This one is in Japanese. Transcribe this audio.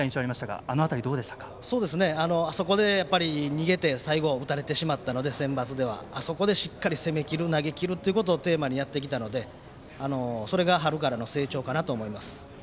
センバツではあそこで逃げて最後を打たれてしまったのであそこでしっかり攻めきる投げきるということをテーマにやってきたのでそれが春からの成長かなと思います。